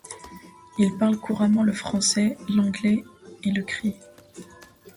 Il parle couramment le français, l'anglais et le cri.